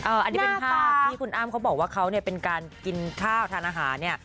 อันนี้เป็นภาพที่คุณอ้ำเขาบอกว่าเขาเนี่ยเป็นการกินข้าวทานอาหารเนี่ย